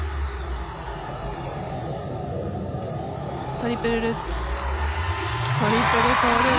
トリプルルッツトリプルトーループ。